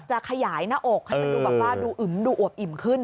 จะขยายหน้าอกให้มันดูแบบว่าดูอึมดูอวบอิ่มขึ้น